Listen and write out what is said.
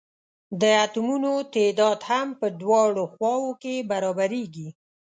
د اتومونو تعداد هم په دواړو خواؤ کې برابریږي.